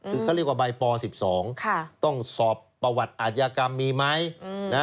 คือเขาเรียกว่าใบป๑๒ต้องสอบประวัติอาชญากรรมมีไหม